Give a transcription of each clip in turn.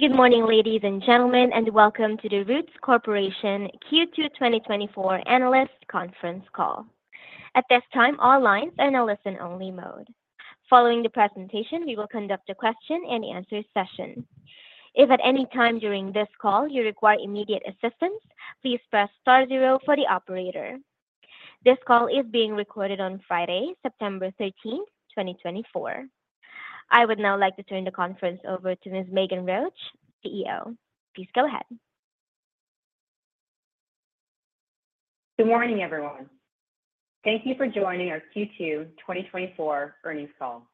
Good morning, ladies and gentlemen, and welcome to the Roots Corporation Q2 2024 Analyst Conference Call. At this time, all lines are in a listen-only mode. Following the presentation, we will conduct a question and answer session. If at any time during this call you require immediate assistance, please press star zero for the operator. This call is being recorded on Friday, September 13, 2024. I would now like to turn the conference over to Miss Meghan Roach, CEO. Please go ahead. Good morning, everyone. Thank you for joining our Q2 2024 Earnings Call.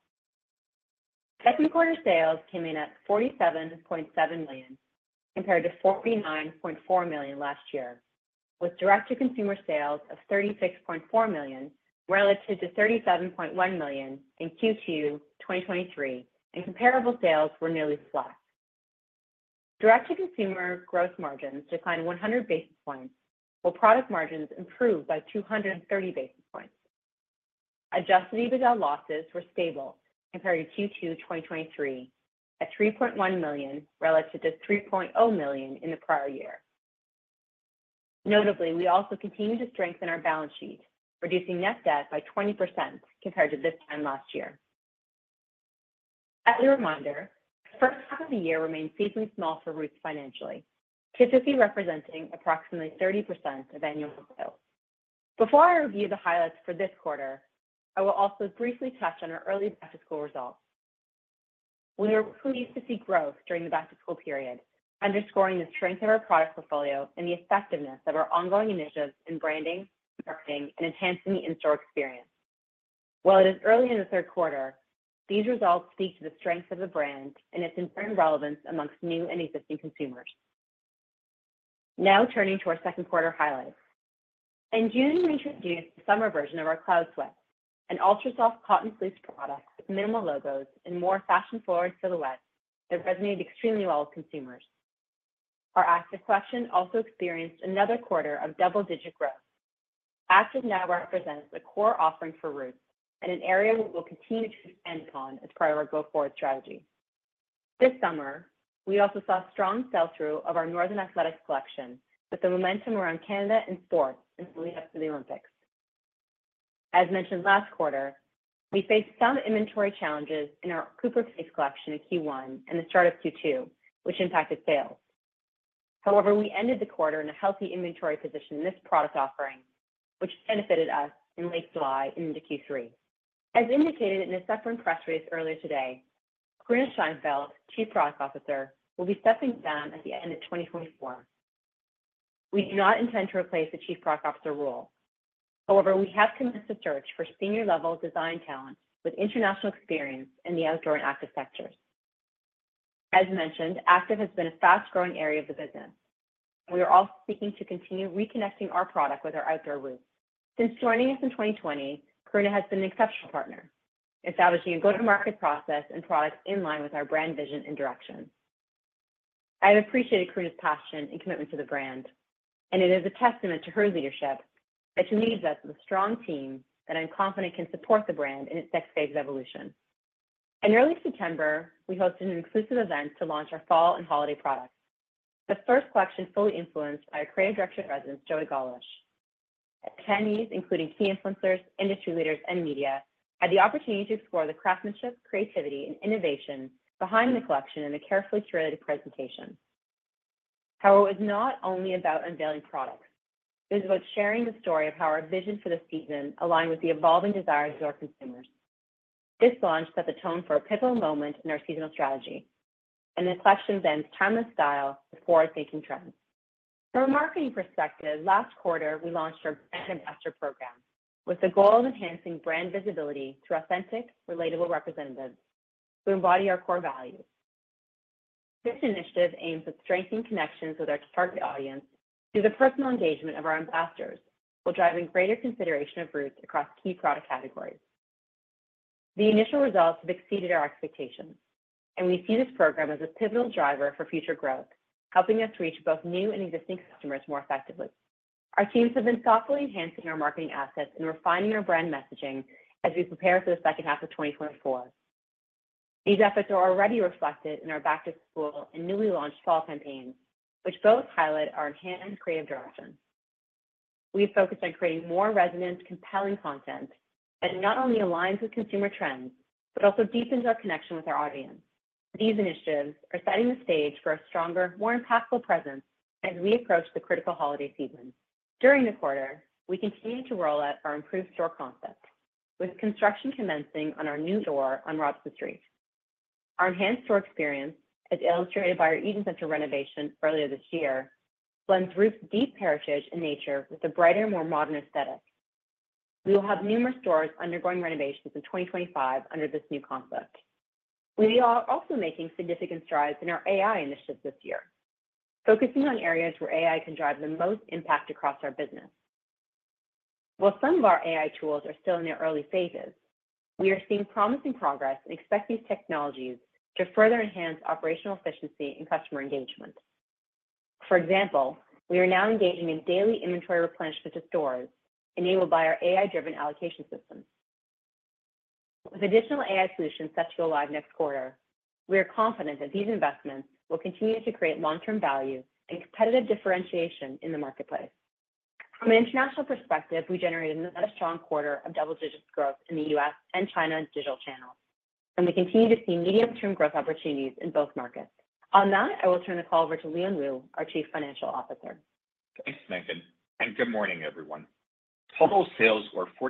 Q2 sales came in at 47.7, compared to 49.4 million last year, with direct-to-consumer sales of 36.4, relative to 37.1 million in Q2 2023, and comparable sales were nearly flat. Direct-to-Consumer gross margins declined 100 basis points, while product margins improved by 230 basis points. Adjusted EBITDA losses were stable compared to Q2 2023, at 3.1 million, relative to 3.0 million in the prior year. Notably, we also continued to strengthen our balance sheet, reducing net debt by 20% compared to this time last year. As a reminder, the first half of the year remains seasonally small for Roots financially, typically representing approximately 30% of annual sales. Before I review the highlights for this quarter, I will also briefly touch on our early back-to-school results. We were pleased to see growth during the back-to-school period, underscoring the strength of our product portfolio and the effectiveness of our ongoing initiatives in branding, marketing, and enhancing the in-store experience. While it is early in the third quarter, these results speak to the strength of the brand and its enduring relevance amongst new and existing consumers. Now, turning to our Q2 highlights. In June, we introduced the summer version of our Cloud Sweat, an ultra-soft cotton fleece product with minimal logos and more fashion-forward silhouettes that resonated extremely well with consumers. Our Active collection also experienced another quarter of double-digit growth. Active now represents a core offering for Roots and an area we will continue to expand upon as part of our go-forward strategy. This summer, we also saw strong sell-through of our Northern Athletics collection, with the momentum around Canada and sports in the lead-up to the Olympics. As mentioned last quarter, we faced some inventory challenges in our Cooper Fleece collection in Q1 and the start of Q2, which impacted sales. However, we ended the quarter in a healthy inventory position in this product offering, which benefited us in late July into Q3. As indicated in a separate press release earlier today, Karuna Scheinfeld, Chief Product Officer, will be stepping down at the end of 2024. We do not intend to replace the Chief Product Officer role. However, we have commenced a search for senior-level design talent with international experience in the outdoor and active sectors. As mentioned, active has been a fast-growing area of the business. We are also seeking to continue reconnecting our product with our outdoor roots. Since joining us in 2020, Karuna has been an exceptional partner, establishing a go-to-market process and products in line with our brand vision and direction. I have appreciated Karuna's passion and commitment to the brand, and it is a testament to her leadership that she leaves us with a strong team that I'm confident can support the brand in its next phase of evolution. In early September, we hosted an exclusive event to launch our fall and holiday products, the first collection fully influenced by our Creative Director in Residence, Joey Gollish. Attendees, including key influencers, industry leaders, and media, had the opportunity to explore the craftsmanship, creativity, and innovation behind the collection in a carefully curated presentation. However, it was not only about unveiling products, it was about sharing the story of how our vision for the season aligned with the evolving desires of our consumers. This launch set the tone for a pivotal moment in our seasonal strategy, and the collection blends timeless style with forward-thinking trends. From a marketing perspective, last quarter, we launched our brand ambassador program with the goal of enhancing brand visibility through authentic, relatable representatives who embody our core values. This initiative aims at strengthening connections with our target audience through the personal engagement of our ambassadors, while driving greater consideration of Roots across key product categories. The initial results have exceeded our expectations, and we see this program as a pivotal driver for future growth, helping us reach both new and existing customers more effectively. Our teams have been thoughtfully enhancing our marketing assets and refining our brand messaging as we prepare for the second half of 2024. These efforts are already reflected in our back-to-school and newly launched fall campaigns, which both highlight our enhanced creative direction. We focused on creating more resonant, compelling content that not only aligns with consumer trends, but also deepens our connection with our audience. These initiatives are setting the stage for a stronger, more impactful presence as we approach the critical holiday season. During the quarter, we continued to roll out our improved store concept, with construction commencing on our new store on Robson Street. Our enhanced store experience, as illustrated by our Eaton Centre renovation earlier this year, blends Roots' deep heritage and nature with a brighter, more modern aesthetic. We will have numerous stores undergoing renovations in 2025 under this new concept. We are also making significant strides in our AI initiatives this year, focusing on areas where AI can drive the most impact across our business. While some of our AI tools are still in their early phases, we are seeing promising progress and expect these technologies to further enhance operational efficiency and customer engagement. For example, we are now engaging in daily inventory replenishment to stores enabled by our AI-driven allocation system. With additional AI solutions set to go live next quarter, we are confident that these investments will continue to create long-term value and competitive differentiation in the marketplace. From an international perspective, we generated another strong quarter of double-digit growth in the U.S. and China digital channels, and we continue to see medium-term growth opportunities in both markets. On that, I will turn the call over to Leon Wu, our Chief Financial Officer. Thanks, Meghan, and good morning, everyone. Total sales were CAD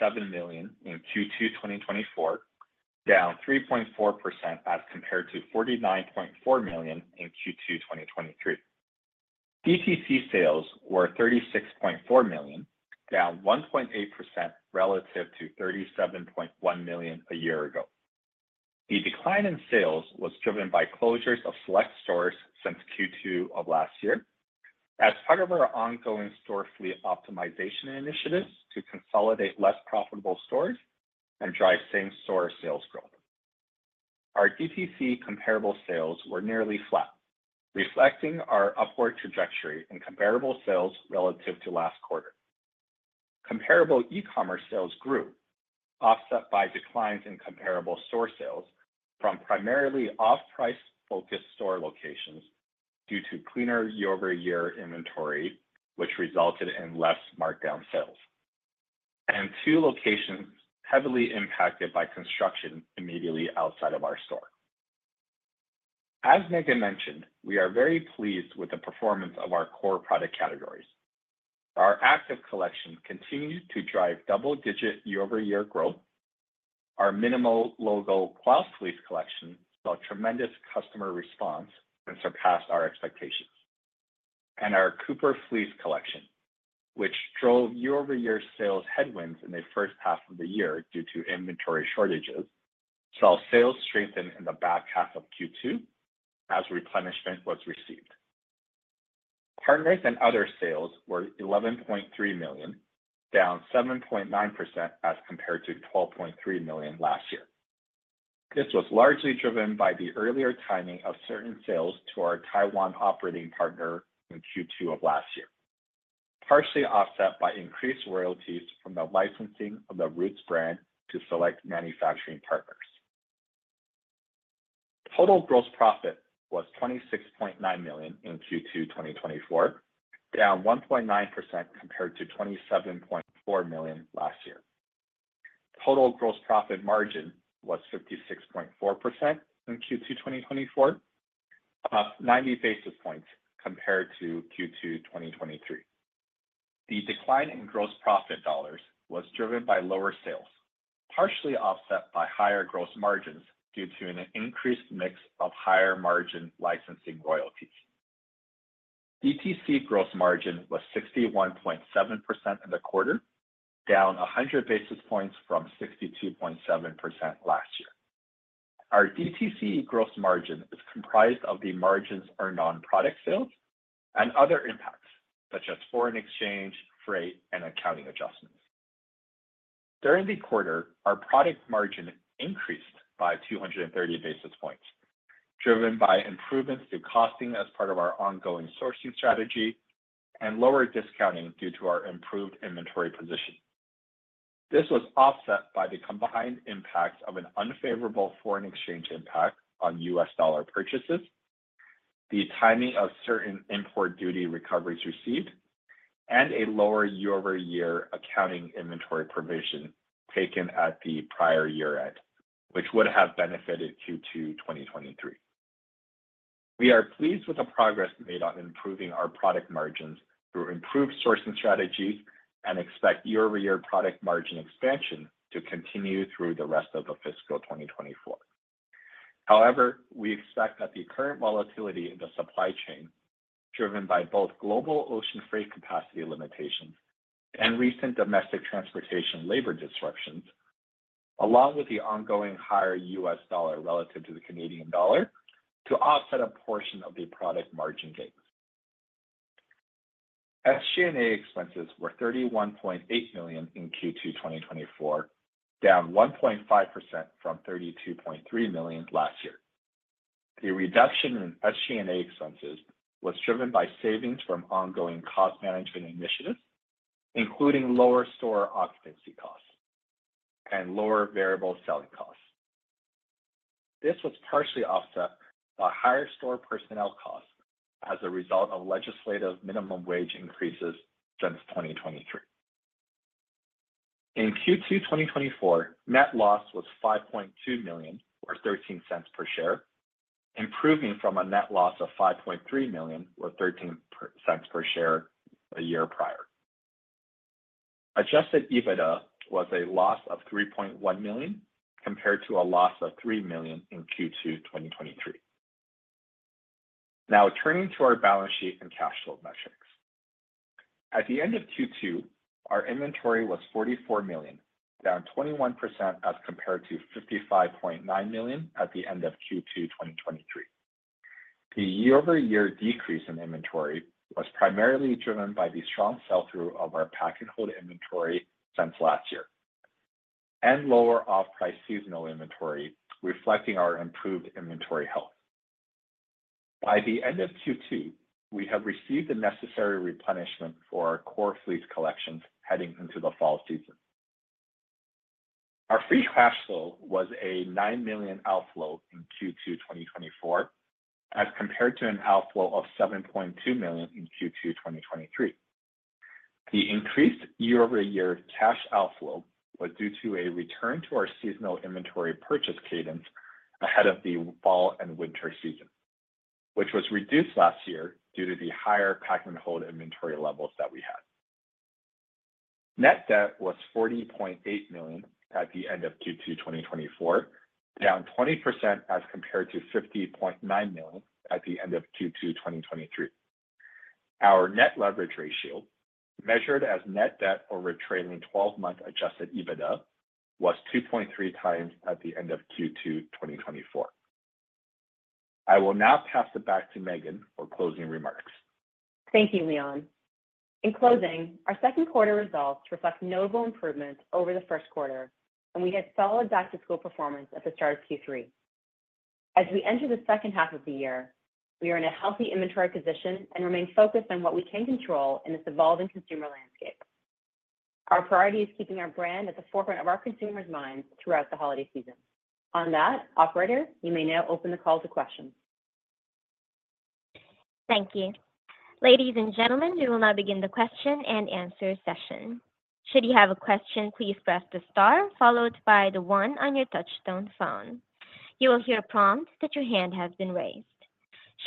47.7 in Q2 2024, down 3.4% as compared to 49.4 million in Q2 2023. DTC sales were 36.4, down 1.8% relative to 37.1 million a year ago. The decline in sales was driven by closures of select stores since Q2 of last year, as part of our ongoing store fleet optimization initiatives to consolidate less profitable stores and drive same-store sales growth. Our DTC comparable sales were nearly flat, reflecting our upward trajectory in comparable sales relative to last quarter. Comparable e-commerce sales grew, offset by declines in comparable store sales from primarily off-price focused store locations due to cleaner year-over-year inventory, which resulted in less markdown sales, and two locations heavily impacted by construction immediately outside of our store. As Meghan mentioned, we are very pleased with the performance of our core product categories. Our Active Collection continues to drive double-digit year-over-year growth. Our minimal logo Cloud Fleece collection saw tremendous customer response and surpassed our expectations. And our Cooper Fleece collection, which drove year-over-year sales headwinds in the first half of the year due to inventory shortages, saw sales strengthen in the back half of Q2 as replenishment was received. Partner and other sales were 11.3, down 7.9% as compared to 12.3 million last year. This was largely driven by the earlier timing of certain sales to our Taiwan operating partner in Q2 of last year, partially offset by increased royalties from the licensing of the Roots brand to select manufacturing partners. Total gross profit was 26.9 in Q2 2024, down 1.9% compared to 27.4 million last year. Total gross profit margin was 56.4% in Q2 2024, up 90 basis points compared to Q2 2023. The decline in gross profit dollars was driven by lower sales, partially offset by higher gross margins due to an increased mix of higher margin licensing royalties. DTC gross margin was 61.7% in the quarter, down 100 basis points from 62.7% last year. Our DTC gross margin is comprised of the margins on non-product sales and other impacts, such as foreign exchange, freight, and accounting adjustments. During the quarter, our product margin increased by 230 basis points, driven by improvements to costing as part of our ongoing sourcing strategy and lower discounting due to our improved inventory position. This was offset by the combined impact of an unfavorable foreign exchange impact on U.S. dollar purchases, the timing of certain import duty recoveries received, and a lower year-over-year accounting inventory provision taken at the prior year-end, which would have benefited Q2 2023. We are pleased with the progress made on improving our product margins through improved sourcing strategies and expect year-over-year product margin expansion to continue through the rest of the fiscal 2024. However, we expect that the current volatility in the supply chain, driven by both global ocean freight capacity limitations and recent domestic transportation labor disruptions, along with the ongoing higher U.S. dollar relative to the Canadian dollar, to offset a portion of the product margin gains. SG&A expenses were 31.8 in Q2 2024, down 1.5% from 32.3 million last year. The reduction in SG&A expenses was driven by savings from ongoing cost management initiatives, including lower store occupancy costs and lower variable selling costs. This was partially offset by higher store personnel costs as a result of legislative minimum wage increases since 2023. In Q2 2024, net loss was 5.2 million, or 0.13 per share, improving from a net loss of 5.3 million, or 0.13 per share a year prior. Adjusted EBITDA was a loss of 3.1, compared to a loss of 3 million in Q2 2023. Now, turning to our balance sheet and cash flow metrics. At the end of Q2, our inventory was 44, down 21% as compared to 55.9 million at the end of Q2 2023. The year-over-year decrease in inventory was primarily driven by the strong sell-through of our pack-and-hold inventory since last year, and lower off-price seasonal inventory, reflecting our improved inventory health. By the end of Q2, we have received the necessary replenishment for our core fleece collections heading into the fall season. Our free cash flow was a 9 outflow in Q2 2024, as compared to an outflow of 7.2 million in Q2 2023. The increased year-over-year cash outflow was due to a return to our seasonal inventory purchase cadence ahead of the fall and winter season, which was reduced last year due to the higher pack-and-hold inventory levels that we had. Net debt was 40.8 at the end of Q2 2024, down 20% as compared to 50.9 million at the end of Q2 2023. Our net leverage ratio, measured as net debt over a trailing twelve-month Adjusted EBITDA, was 2.3x at the end of Q2 2024. I will now pass it back to Meghan for closing remarks. Thank you, Leon. In closing, our Q2 results reflect notable improvements over Q1, and we had solid back-to-school performance at the start of Q3. As we enter the second half of the year, we are in a healthy inventory position and remain focused on what we can control in this evolving consumer landscape. Our priority is keeping our brand at the forefront of our consumers' minds throughout the holiday season. On that, operator, you may now open the call to questions. Thank you. Ladies and gentlemen, we will now begin the question and answer session. Should you have a question, please press the star followed by the one on your touchtone phone. You will hear a prompt that your hand has been raised.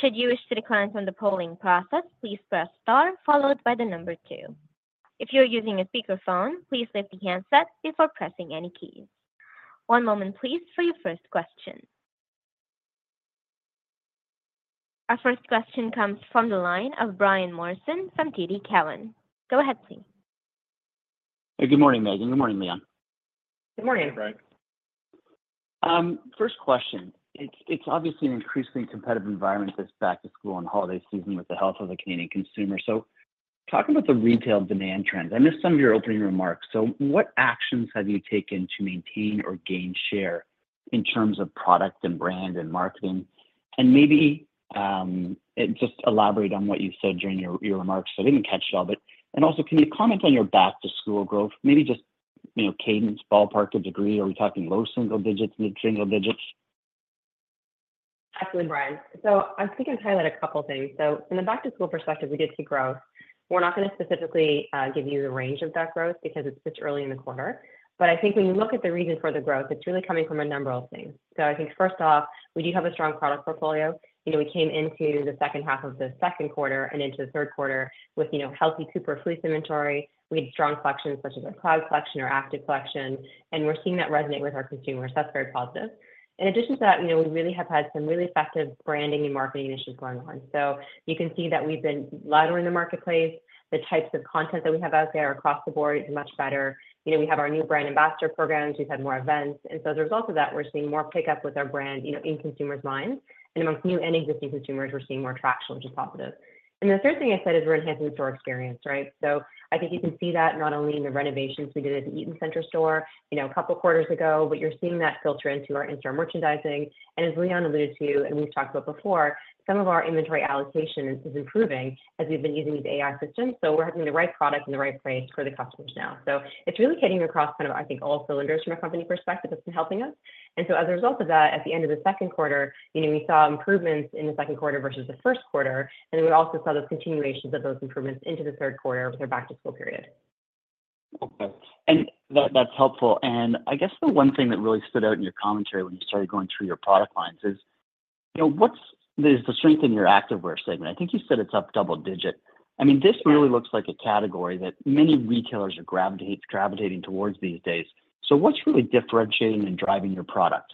Should you wish to decline from the polling process, please press star followed by the number two. If you are using a speakerphone, please lift the handset before pressing any keys. One moment, please, for your first question. Our first question comes from the line of Brian Morrison from TD Cowen. Go ahead, please. Hey, good morning, Meghan. Good morning, Leon. Good morning. Hey, Brian. First question. It's obviously an increasingly competitive environment, this back-to-school and holiday season, with the help of the Canadian consumer. So talking about the retail demand trends, I missed some of your opening remarks. So what actions have you taken to maintain or gain share in terms of product and brand and marketing? And maybe and just elaborate on what you said during your remarks. I didn't catch all of it. And also, can you comment on your back-to-school growth? Maybe just, you know, cadence, ballpark, the degree. Are we talking low single digits, mid-single digits? Absolutely, Brian. So I think I'd highlight a couple of things. So in the back-to-school perspective, we did see growth. We're not gonna specifically give you the range of that growth because it's still early in the quarter. But I think when you look at the reason for the growth, it's really coming from a number of things. So I think first off, we do have a strong product portfolio. You know, we came into the second half of the Q2 and into Q3 with, you know, healthy Cooper Fleece inventory. We had strong collections, such as our Cloud Collection or Active Collection, and we're seeing that resonate with our consumers. That's very positive. In addition to that, you know, we really have had some really effective branding and marketing initiatives going on. So you can see that we've been louder in the marketplace. The types of content that we have out there across the board is much better. You know, we have our new brand ambassador programs, we've had more events, and so as a result of that, we're seeing more pickup with our brand, you know, in consumers' minds, and amongst new and existing consumers, we're seeing more traction, which is positive, and the third thing I said is we're enhancing the store experience, right? So I think you can see that not only in the renovations we did at the Eaton Centre store, you know, a couple of quarters ago, but you're seeing that filter into our in-store merchandising, and as Leon alluded to, and we've talked about before, some of our inventory allocation is improving as we've been using these AI systems, so we're having the right product in the right place for the customers now. So, it's really hitting across kind of, I think, all cylinders from a company perspective. It's been helping us. And so, as a result of that, at the end of Q2, you know, we saw improvements in the Q2 versus Q1, and we also saw those continuations of those improvements into Q3 with our back-to-school period. Okay. And that, that's helpful. And I guess the one thing that really stood out in your commentary when you started going through your product lines is, you know, what's the strength in your activewear segment? I think you said it's up double digit. I mean, this really looks like a category that many retailers are gravitating towards these days. So what's really differentiating and driving your product?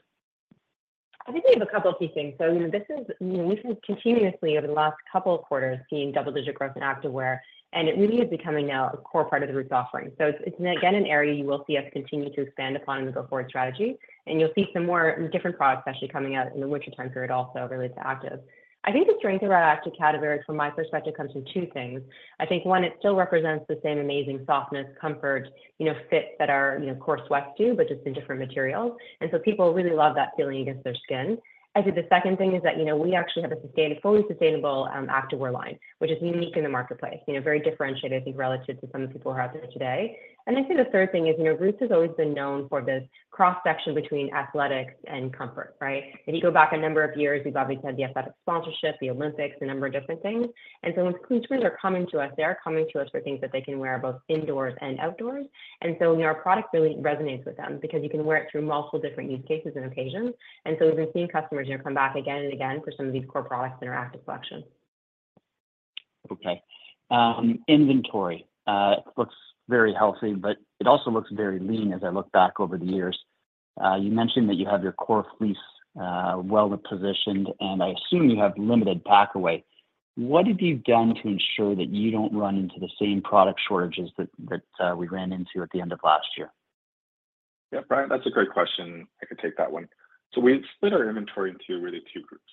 I think we have a couple of key things, so you know, this is, you know, we've seen continuously over the last couple of quarters double-digit growth in activewear, and it really is becoming now a core part of the Roots offering, so it's again an area you will see us continue to expand upon in the go-forward strategy, and you'll see some more different products actually coming out in the winter time period, also related to active. I think the strength of our active category, from my perspective, comes from two things. I think, one, it still represents the same amazing softness, comfort, you know, fit that our, you know, core sweats do, but just in different materials, and so people really love that feeling against their skin. I think the second thing is that, you know, we actually have a sustainable, fully sustainable, activewear line, which is unique in the marketplace. You know, very differentiated, I think, relative to some of the people who are out there today. And I think the third thing is, you know, Roots has always been known for this cross-section between athletics and comfort, right? If you go back a number of years, we've obviously had the athletic sponsorship, the Olympics, a number of different things. And so when consumers are coming to us, they are coming to us for things that they can wear both indoors and outdoors. And so, you know, our product really resonates with them because you can wear it through multiple different use cases and occasions. And so we've been seeing customers, you know, come back again and again for some of these core products in our Active Collection. Okay. Inventory looks very healthy, but it also looks very lean as I look back over the years. You mentioned that you have your core fleece well-positioned, and I assume you have limited pack away. What have you done to ensure that you don't run into the same product shortages that we ran into at the end of last year? Yeah, Brian, that's a great question. I can take that one. So we split our inventory into really two groups.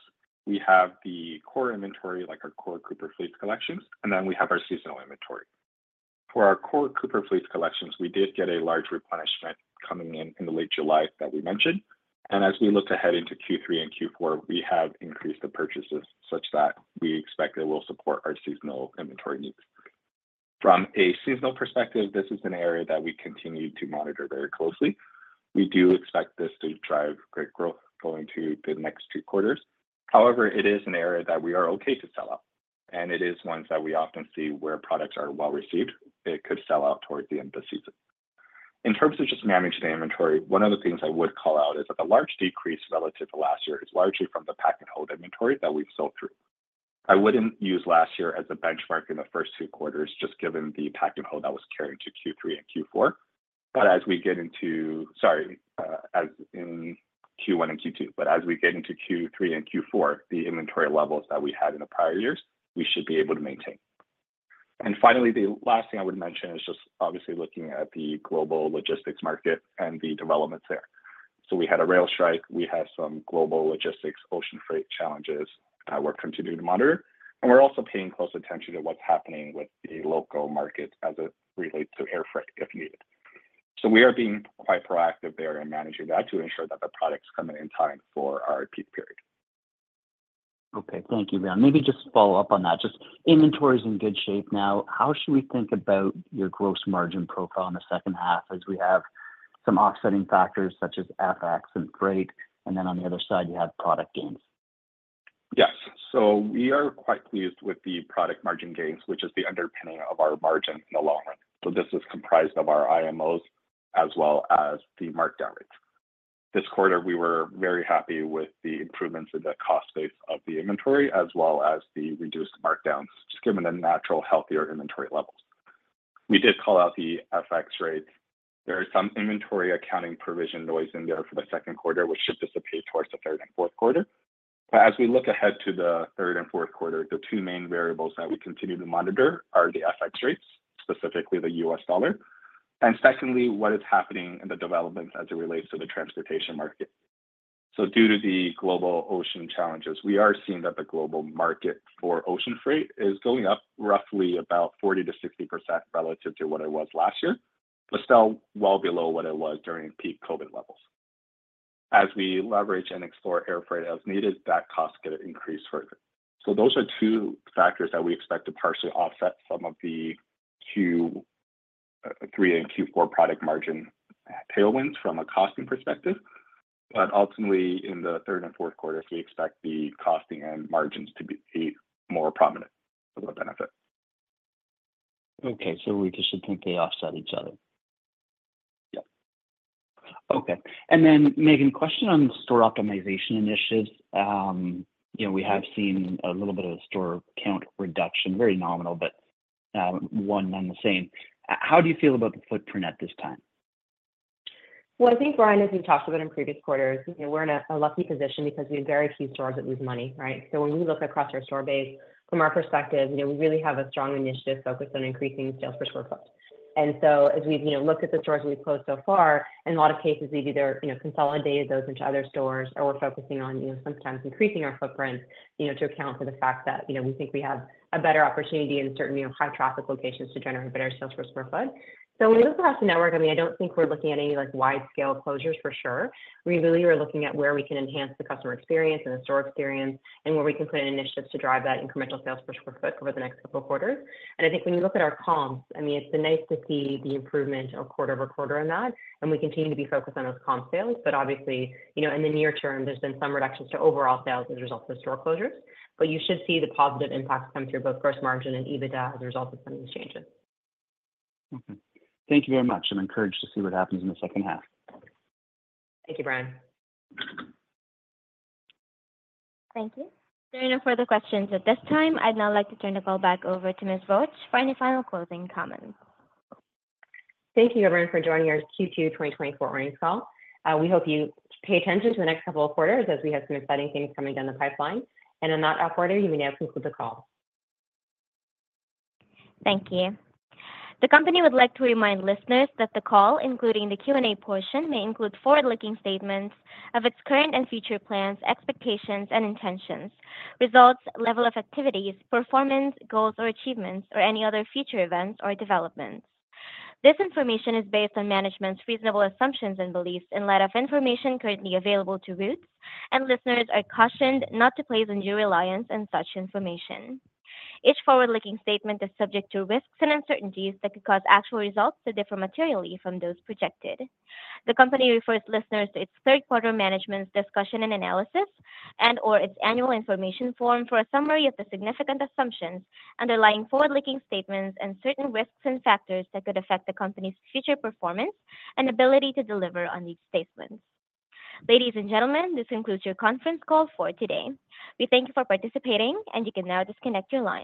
We have the core inventory, like our core Cooper Fleece collections, and then we have our seasonal inventory. For our core Cooper Fleece collections, we did get a large replenishment coming in in the late July that we mentioned. And as we look ahead into Q3 and Q4, we have increased the purchases such that we expect it will support our seasonal inventory needs. From a seasonal perspective, this is an area that we continue to monitor very closely. We do expect this to drive great growth going to the next two quarters. However, it is an area that we are okay to sell out, and it is ones that we often see where products are well received. It could sell out toward the end of the season. In terms of just managing the inventory, one of the things I would call out is that the large decrease relative to last year is largely from the pack and hold inventory that we've sold through. I wouldn't use last year as a benchmark in the first two quarters, just given the pack and hold that was carried to Q3 and Q4. But as we get into Q1 and Q2, but as we get into Q3 and Q4, the inventory levels that we had in the prior years, we should be able to maintain. And finally, the last thing I would mention is just obviously looking at the global logistics market and the developments there. So we had a rail strike, we had some global logistics ocean freight challenges, we're continuing to monitor, and we're also paying close attention to what's happening with the local market as it relates to air freight, if needed. So we are being quite proactive there in managing that to ensure that the products come in in time for our peak period. Okay, thank you, Leon. Maybe just follow up on that, just inventory is in good shape now, how should we think about your gross margin profile in the second half as we have some offsetting factors such as FX and freight, and then on the other side, you have product gains? Yes. So we are quite pleased with the product margin gains, which is the underpinning of our margin in the long run. So this is comprised of our IMOs as well as the markdown rates. This quarter, we were very happy with the improvements in the cost base of the inventory, as well as the reduced markdowns, just given the natural, healthier inventory levels. We did call out the FX rates. There is some inventory accounting provision noise in there for Q2, which should dissipate towards Q3 and Q4. But as we look ahead to Q3 and Q4, the two main variables that we continue to monitor are the FX rates, specifically the U.S. dollar, and secondly, what is happening in the development as it relates to the transportation market. So due to the global ocean challenges, we are seeing that the global market for ocean freight is going up roughly about 40%-60% relative to what it was last year, but still well below what it was during peak COVID levels. As we leverage and explore air freight as needed, that cost could increase further. So those are two factors that we expect to partially offset some of the Q3 and Q4 product margin tailwinds from a costing perspective. But ultimately, in the third and fourth quarters, we expect the costing and margins to be more prominent for the benefit. Okay, so we just simply offset each other? Yeah. Okay. And then, Meghan, question on the store optimization initiatives. You know, we have seen a little bit of a store count reduction, very nominal, but one and the same. How do you feel about the footprint at this time? I think, Brian, as we talked about in previous quarters, you know, we're in a lucky position because we have very few stores that lose money, right? So when we look across our store base, from our perspective, you know, we really have a strong initiative focused on increasing sales per square foot. And so as we've, you know, looked at the stores we've closed so far, in a lot of cases, we've either, you know, consolidated those into other stores or we're focusing on, you know, sometimes increasing our footprint, you know, to account for the fact that, you know, we think we have a better opportunity in certain, you know, high traffic locations to generate better sales per square foot. So when we look across the network, I mean, I don't think we're looking at any, like, wide scale closures for sure. We really are looking at where we can enhance the customer experience and the store experience, and where we can put in initiatives to drive that incremental sales per square foot over the next couple of quarters, and I think when you look at our comps, I mean, it's been nice to see the improvement of quarter over quarter on that, and we continue to be focused on those comp sales, but obviously, you know, in the near term, there's been some reductions to overall sales as a result of the store closures, but you should see the positive impacts come through both gross margin and EBITDA as a result of some of these changes. Okay. Thank you very much. I'm encouraged to see what happens in H2. Thank you, Brian. Thank you. There are no further questions at this time. I'd now like to turn the call back over to Ms. Roach for any final closing comments. Thank you, everyone, for joining our Q2 2024 Earnings Call. We hope you pay attention to the next couple of quarters as we have some exciting things coming down the pipeline. And on that upbeat note, you may now conclude the call. Thank you. The company would like to remind listeners that the call, including the Q&A portion, may include forward-looking statements of its current and future plans, expectations and intentions, results, level of activities, performance, goals or achievements, or any other future events or developments. This information is based on management's reasonable assumptions and beliefs in light of information currently available to Roots, and listeners are cautioned not to place undue reliance on such information. Each forward-looking statement is subject to risks and uncertainties that could cause actual results to differ materially from those projected. The company refers listeners to its Q3 Management's Discussion and Analysis, and/or its Annual Information Form for a summary of the significant assumptions underlying forward-looking statements and certain risks and factors that could affect the company's future performance and ability to deliver on these statements. Ladies and gentlemen, this concludes your conference call for today. We thank you for participating, and you can now disconnect your lines.